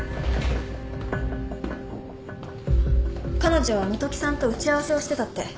彼女は元木さんと打ち合わせをしてたって。